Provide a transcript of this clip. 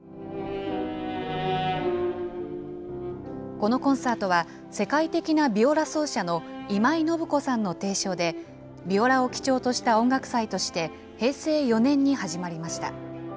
このコンサートは世界的なビオラ奏者の今井信子さんの提唱で、ビオラを基調とした音楽祭として、平成４年に始まりました。